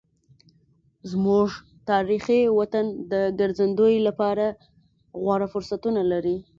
زموږ تاریخي وطن د ګرځندوی لپاره غوره فرصتونه لري.